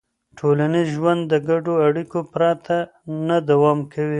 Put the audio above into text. ټولنیز ژوند د ګډو اړیکو پرته نه دوام کوي.